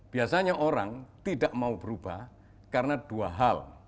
biasanya orang tidak mau berubah karena dua hal